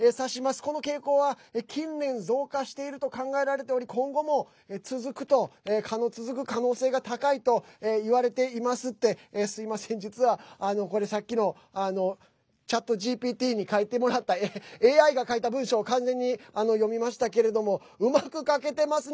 この傾向は近年増加していると考えられており今後も続く可能性が高いといわれていますってすみません、実は、これさっきのＣｈａｔＧＰＴに書いてもらったＡＩが書いた文章を完全に読みましたけれどもうまく書けてますね。